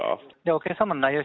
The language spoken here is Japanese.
お客様の内容